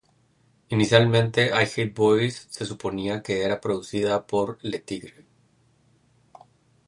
Inicialmente, "I Hate Boys" se suponía que era producida por Le Tigre.